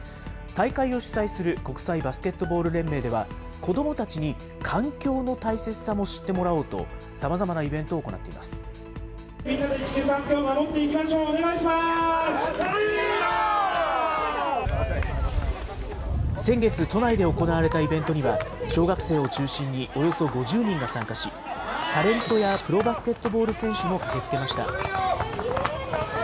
大会を主催する国際バスケットボール連盟では、子どもたちに環境の大切さも知ってもらおうと、さ先月、都内で行われたイベントには、小学生を中心におよそ５０人が参加し、タレントやプロバスケットボール選手も駆けつけました。